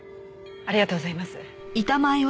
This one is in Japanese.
ありがとうございます。